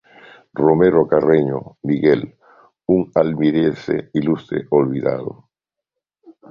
Romero Carreño, Miguel: ‹‹Un almeriense ilustre olvidado.